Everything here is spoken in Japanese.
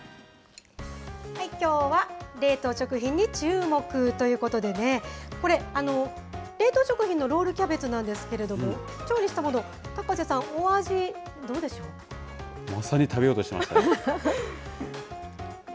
きょうは、冷凍食品にチューモク！ということでね、これ、冷凍食品のロールキャベツなんですけれども、調理したもの、高瀬まさに食べようとしてました。